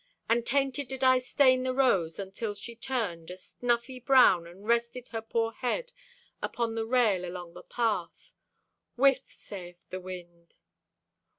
And tainted did I stain the rose until she turned A snuffy brown and rested her poor head Upon the rail along the path. Whiff, sayeth the wind.